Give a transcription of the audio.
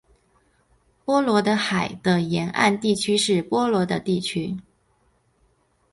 波罗的海的沿岸地区是波罗的地区。